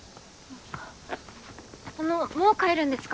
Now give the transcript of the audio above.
あのもう帰るんですか？